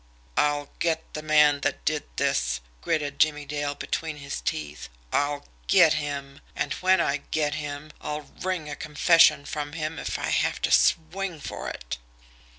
"I'll get the man that did this," gritted Jimmie Dale between his teeth. "I'll GET him! And, when I get him, I'll wring a confession from him if I have to swing for it!"